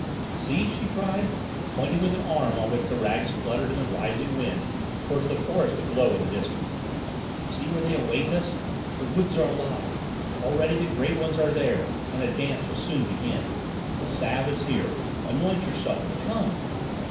"See!" she cried, pointing with an arm on which the rags fluttered in the rising wind towards the forest aglow in the distance. "See where they await us! The woods are alive! Already the Great Ones are there, and the dance will soon begin! The salve is here! Anoint yourself and come!"